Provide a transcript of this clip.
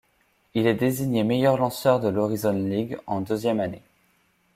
Il est désigné meilleur lanceur de l'Horizon League en deuxième année.